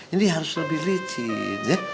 ini harus lebih licin ya